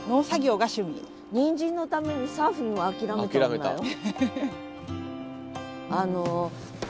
にんじんのためにサーフィンを諦めた女よ。